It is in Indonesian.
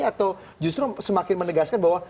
atau justru semakin menegaskan bahwa